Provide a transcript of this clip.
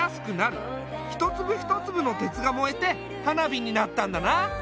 一粒一粒の鉄が燃えて花火になったんだな。